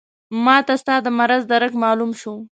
ماته ستا د مرض درک معلوم شو.